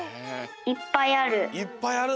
いっぱいある。